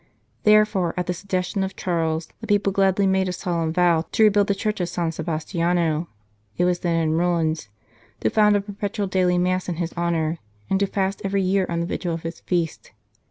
Therefore, at the suggestion of Charles, the people gladly made a solemn vow to rebuild the Church of San Sebastiano it was then in ruins to found a perpetual daily Mass in his honour, and to fast every year on the vigil of his feast.